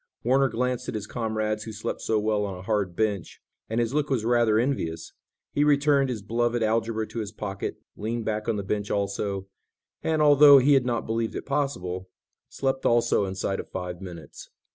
Warner glanced at his comrades who slept so well on a hard bench, and his look was rather envious. He returned his beloved algebra to his pocket, leaned back on the bench also, and, although he had not believed it possible, slept also inside of five minutes.